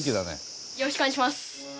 よろしくお願いします！